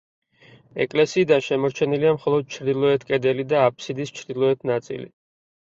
ეკლესიიდან შემორჩენილია მხოლოდ ჩრდილოეთ კედელი და აფსიდის ჩრდილოეთ ნაწილი.